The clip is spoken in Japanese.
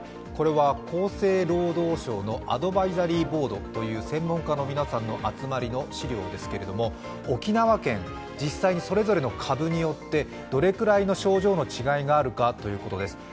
これは厚生労働省のアドバイザリーボードという専門家の皆さんの集まりの資料ですけれども、沖縄県、実際にそれぞれの株によってどれぐらいの症状の違いがあるかということです。